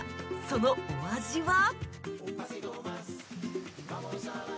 そのお味は？